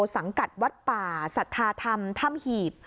สังกัดวัดป่าสัทธาธรรมถ้ำหีบ